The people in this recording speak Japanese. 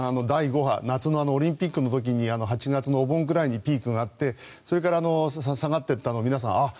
第５波、夏のオリンピックの時に８月のお盆ぐらいにピークがあってそれから下がっていったのを皆さん